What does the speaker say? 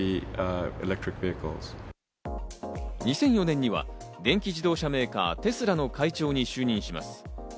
２００４年には電気自動車メーカー、テスラの会長に就任します。